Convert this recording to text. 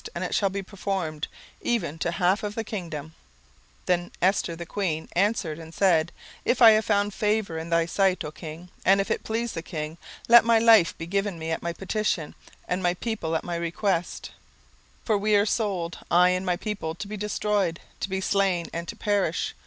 and it shall be performed, even to the half of the kingdom. 17:007:003 Then Esther the queen answered and said, If I have found favour in thy sight, O king, and if it please the king, let my life be given me at my petition, and my people at my request: 17:007:004 For we are sold, I and my people, to be destroyed, to be slain, and to perish.